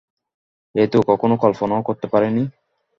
এ তো কখনো কল্পনাও করতে পারি নি।